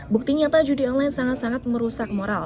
buktinya judi online sangat sangat merusak moral